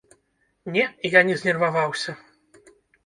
Не, я не знерваваўся.